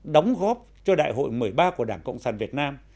đóng góp cho đại hội một mươi ba của đảng cộng sản việt nam